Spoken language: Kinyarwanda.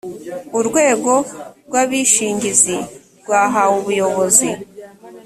urwego rw’ abishingizi rwahawe umuyobozi